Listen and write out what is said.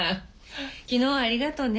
昨日はありがとね。